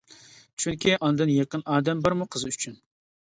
چۈنكى ئانىدىن يېقىن ئادەم بارمۇ قىز ئۈچۈن!